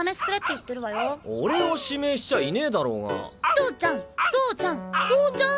投ちゃん投ちゃん投ちゃん。